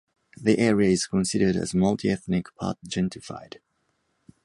The area is considered as multi-ethnic part-gentrified.